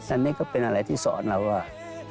อันนี้ก็เป็นอะไรที่สอนเราว่า